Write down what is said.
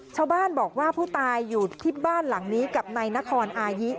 ชาวบ้านบอกว่าผู้ตายอยู่ที่บ้านหลังนี้กับนายนครอายุ